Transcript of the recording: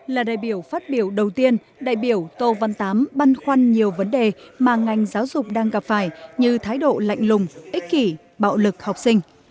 là đại biểu phát biểu đầu tiên đại biểu tô văn tám băn khoăn nhiều vấn đề mà ngành giáo dục đang gặp phải như thái độ lạnh lùng ích kỷ bạo lực học sinh